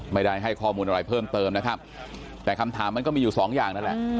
ไม่ได้ให้ข้อมูลอะไรเพิ่มเติมนะครับแต่คำถามมันก็มีอยู่สองอย่างนั่นแหละ